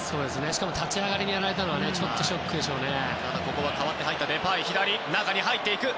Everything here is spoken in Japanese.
しかも立ち上がりにやられたのはちょっとショックでしょうね。